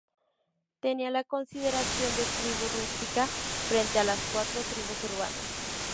Tenía la consideración de tribu rústica, frente a las cuatro tribus urbanas.